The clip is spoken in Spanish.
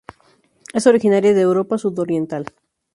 Es originaria de Europa sudoriental.